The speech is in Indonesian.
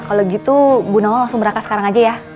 kalau gitu ibu nawang langsung berangkat sekarang aja ya